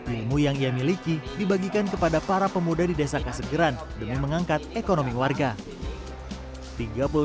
ilmu yang ia miliki dibagikan kepada para pemuda di desa kasegeran demi mengangkat ekonomi warga